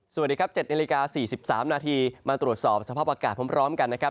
สวัสดีครับ๗นาฬิกา๔๓นาทีมาตรวจสอบสภาพอากาศพร้อมกันนะครับ